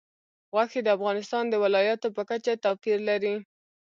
غوښې د افغانستان د ولایاتو په کچه توپیر لري.